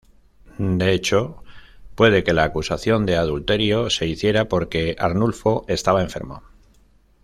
De hecho, puede que la acusación de adulterio se hiciera "porque" Arnulfo estaba enfermo.